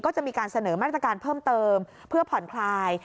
ก็จะมีการเสนอมาตรการเพิ่มเติมเพื่อผ่อนคลาย